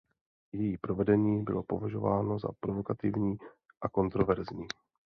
Její provedení bylo považováno za provokativní a kontroverzní.